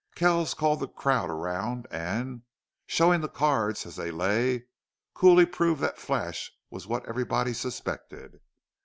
Kells called the crowd around and, showing the cards as they lay, coolly proved that Flash was what everybody suspected.